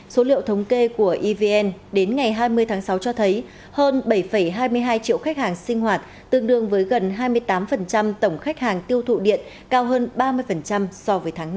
số liệu thống kê của evn đến ngày hai mươi tháng sáu cho thấy hơn bảy hai mươi hai triệu khách hàng sinh hoạt tương đương với gần hai mươi tám tổng khách hàng tiêu thụ điện cao hơn ba mươi so với tháng năm